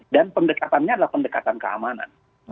dan pendekatannya adalah pendekatan keamanan